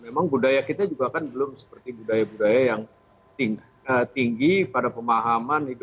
memang budaya kita juga kan belum seperti budaya budaya yang tinggi pada pemahaman